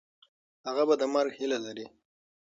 هغه به د مرګ هیله لري.